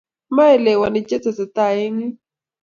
Maielewani che tesetai eng yu?